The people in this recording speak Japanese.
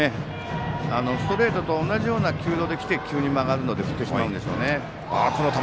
ストレートと同じような球道で来て急に曲がるので振ってしまうんでしょうね。